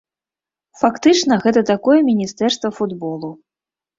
Фактычна гэта такое міністэрства футболу.